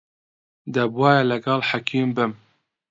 دەبوایە لەگەڵ حەکیم بم.